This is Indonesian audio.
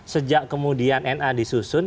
sejak kemudian na disusun